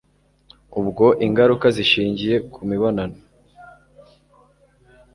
ubwo ingaruka zishingiye ku mibonano